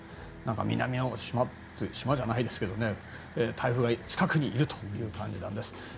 南の島というか島じゃないですけど台風が近くにいるという感じです。